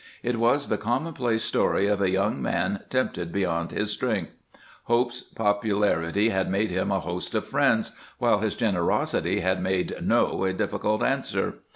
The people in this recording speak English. It was the commonplace story of a young man tempted beyond his strength. Hope's popularity had made him a host of friends, while his generosity had made "no" a difficult answer.